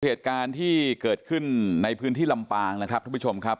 เหตุการณ์ที่เกิดขึ้นในพื้นที่ลำปางนะครับท่านผู้ชมครับ